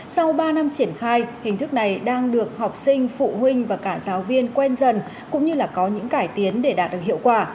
sau ba năm triển khai hình thức này đang được học sinh phụ huynh và cả giáo viên quen dần cũng như là có những cải tiến để đạt được hiệu quả